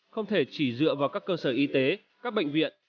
không thể chỉ dựa vào các cơ sở y tế các bệnh viện